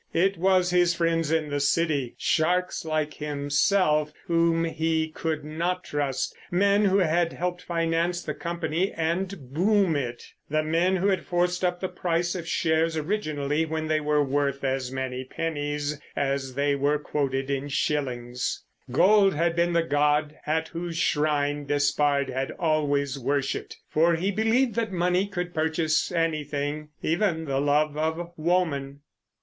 It was his friends in the City, sharks like himself, whom he could not trust. Men who had helped finance the company and boom it; the men who had forced up the price of shares originally when they were worth as many pennies as they were quoted in shillings. Gold had been the god at whose shrine Despard had always worshipped. For he believed that money could purchase anything, even the love of woman.